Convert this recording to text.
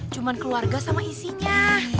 cuma keluarga sama isinya